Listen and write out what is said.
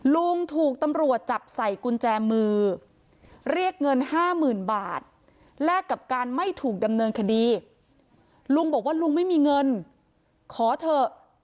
ลุงถูกตำรวจจับใส่กุญแจมือเรียกเงินห้าหมื่นบาทแลกกับการไม่ถูกดำเนินคดีลุงบอกว่าลุงไม่มีเงินขอเถอะ